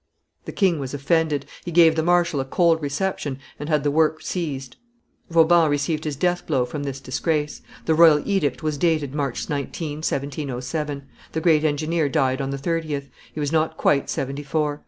The king was offended; he gave the marshal a cold reception and had the work seized. Vauban received his death blow from this disgrace. The royal edict was dated March 19, 1707; the great engineer died on the 30th; he was not quite seventy four.